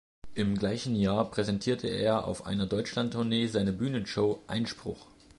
Im gleichen Jahr präsentierte er auf einer Deutschlandtournee seine Bühnenshow „Ein§pruch“.